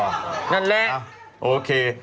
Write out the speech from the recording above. นั่นแหละโอเค